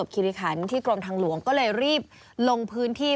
คิริคันที่กรมทางหลวงก็เลยรีบลงพื้นที่